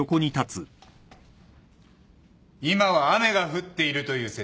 今は雨が降っているという設定だ。